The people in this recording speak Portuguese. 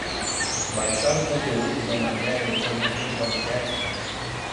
Baixar o conteúdo da matéria e transmitir no Podcast